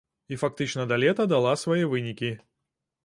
І фактычна да лета дала свае вынікі.